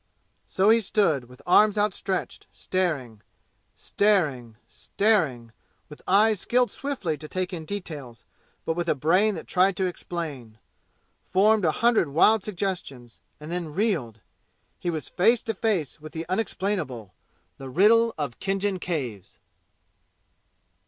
So he stood, with arms outstretched, staring staring staring with eyes skilled swiftly to take in details, but with a brain that tried to explain formed a hundred wild suggestions and then reeled. He was face to face with the unexplainable the riddle of Khinjan Caves.